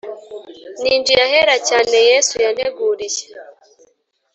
Ninjiye ahera cyane Yesu yanteguriye